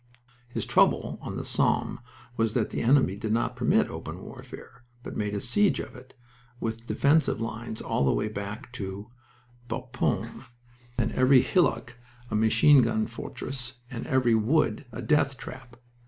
His trouble on the Somme was that the enemy did not permit open warfare, but made a siege of it, with defensive lines all the way back to Bapaume, and every hillock a machine gun fortress and every wood a death trap.